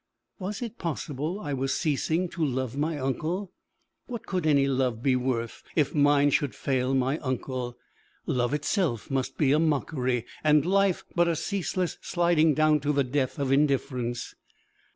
Was it possible I was ceasing to love my uncle? What could any love be worth if mine should fail my uncle! Love itself must be a mockery, and life but a ceaseless sliding down to the death of indifference!